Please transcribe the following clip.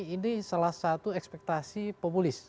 ini salah satu ekspektasi populis